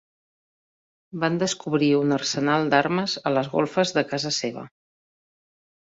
Van descobrir un arsenal d'armes a les golfes de casa seva.